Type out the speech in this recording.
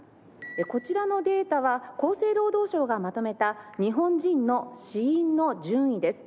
こちらのデータは厚生労働省がまとめた日本人の死因の順位です。